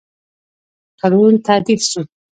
تړون تعدیل سو.